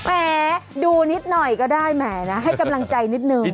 แหมดูนิดหน่อยก็ได้แหมนะให้กำลังใจนิดนึง